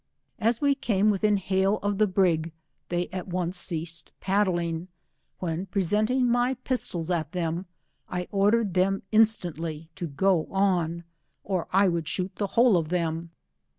As we came within hail of the brig, they at once ceased paddling, when presenting my pistols at them, I ordered them instantly to go on, or 1 would shoot the whole of them.